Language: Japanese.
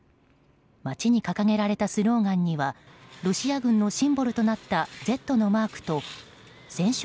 街に掲げられたスローガンにはロシア軍のシンボルとなった「Ｚ」のマークと「戦勝